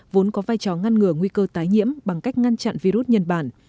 vốn có vai trò ngăn ngừa nguy cơ tái nhiễm bằng cách ngăn chặn virus nhật bản